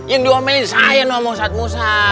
yang diomelin saya noh ustadz musa